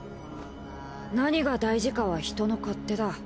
何が大事かは人の勝手だ。